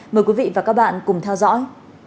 mời quý vị và các bạn cùng theo dõi